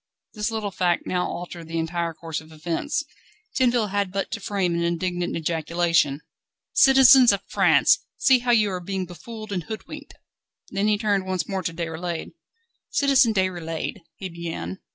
This little fact now altered the entire course of events. Tinville had but to frame an indignant ejaculation: "Citizens of France, see how you are being befooled and hoodwinked!" Then he turned once more to Déroulède. "Citizen Déroulède ..." he began.